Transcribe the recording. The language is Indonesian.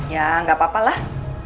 ya nggak apa apa lah